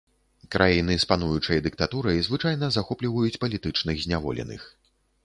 Краіны з пануючай дыктатурай звычайна захопліваюць палітычных зняволеных.